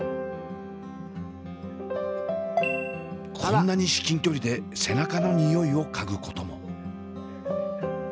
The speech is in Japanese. こんなに至近距離で背中の匂いを嗅ぐことも。